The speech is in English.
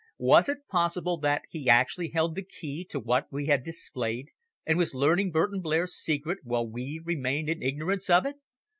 Was it possible that he actually held the key to what we had displayed, and was learning Burton Blair's secret while we remained in ignorance of it!